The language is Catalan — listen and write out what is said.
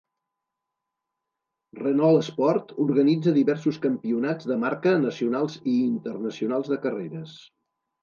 Renault Sport organitza diversos campionats de marca nacionals i internacionals de carreres.